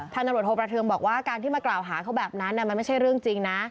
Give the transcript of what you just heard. ตำรวจโทประเทิงบอกว่าการที่มากล่าวหาเขาแบบนั้นมันไม่ใช่เรื่องจริงนะ